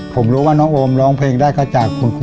ผมรู้ว่าน้องโอมร้องเพลงได้ก็จากคุณครู